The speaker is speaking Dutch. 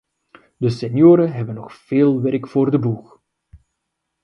De senioren hebben nog veel werk voor de boeg.